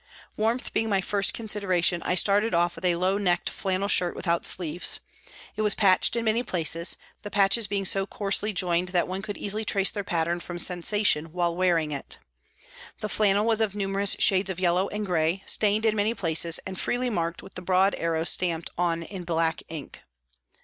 Warmth being my first consideration I started off with a low necked flannel shirt without sleeves. It was patched in many places, the patches being so coarsely joined that one could easily trace their pattern from sensation while wearing it. The flannel was of numerous shades of yellow and grey, stained in many places, and freely marked with the broad arrow stamped on in black ink.